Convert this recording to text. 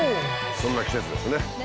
そんな季節ですね。